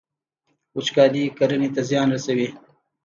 وچکالي کرنې ته زیان رسوي.